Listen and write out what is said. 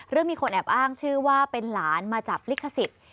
เรื่องมีคนแอบอ้างชื่อว่าเป็นหลานมาจับฤกษิตร